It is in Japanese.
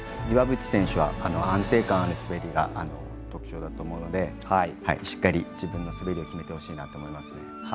岩渕選手は安定感ある滑りが特徴だと思うのでしっかり自分の滑りを決めてほしいなと思いますね。